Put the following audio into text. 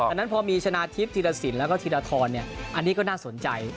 เพราะฉะนั้นพอมีชนะทิศธิรสินแล้วก็ธิรธรอันนี้ก็น่าสนใจ